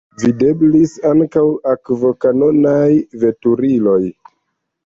Videblis ankaŭ akvokanonaj veturiloj.